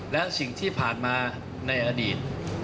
และสิ่งที่ผ่านมาในอดีต